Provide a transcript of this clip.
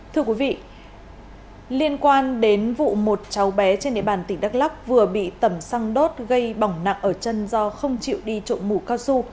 thưa quý vị liên quan đến vụ một cháu bé trên địa bàn tỉnh đắk lóc vừa bị tẩm xăng đốt gây bỏng nặng ở chân do không chịu đi trộm mũ cao su